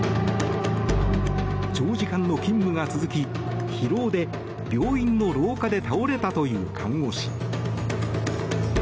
長時間の勤務が続き疲労で病院の廊下で倒れたという看護師。